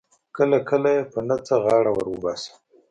کله کله یې په نه څه غاړه ور وباسم.